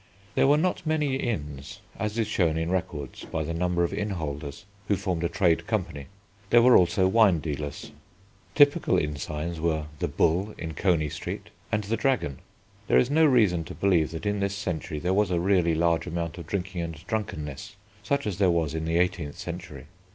There were not many inns, as is shown in records by the number of innholders, who formed a trade company. There were also wine dealers. Typical inn signs were The Bull in Coney Street, and The Dragon. There is no reason to believe that in this century there was a really large amount of drinking and drunkenness, such as there was in the eighteenth century.